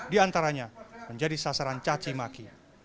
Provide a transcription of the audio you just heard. di antaranya menjadi sasaran caci maki